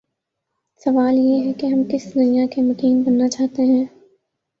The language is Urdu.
سوال یہ ہے کہ ہم کس دنیا کے مکین بننا چاہتے ہیں؟